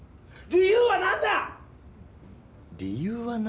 理由は何だ？